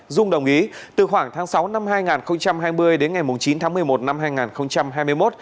dung đồng ý từ khoảng tháng sáu năm hai nghìn hai mươi đến ngày chín tháng một mươi một năm hai nghìn hai mươi một